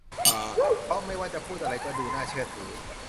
เพราะไม่ว่าจะพูดอะไรก็ดูน่าเชื่อถือ